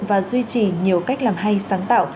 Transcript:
và duy trì nhiều cách làm hay sáng tạo